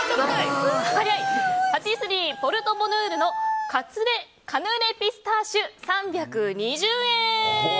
パティスリーポルトボヌールのカヌレピスターシュ、３２０円。